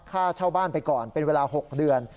ค่าเช่าบ้านไปก่อนเป็นเวลา๖เดือน